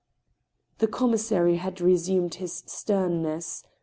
" The commissary had resumed his sternness.